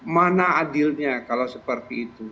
mana adilnya kalau seperti itu